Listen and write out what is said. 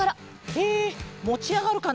えもちあがるかな？